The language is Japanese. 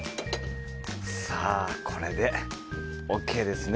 さあ、これでＯＫですね。